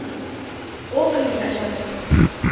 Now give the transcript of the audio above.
Ок лий, ачай!